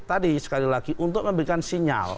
tadi sekali lagi untuk memberikan sinyal